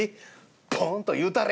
「ぽんと言うたれ！」。